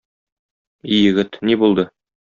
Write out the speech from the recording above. И егет, ни булды?